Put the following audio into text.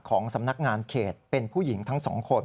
ของสำนักงานเขตเป็นผู้หญิงทั้งสองคน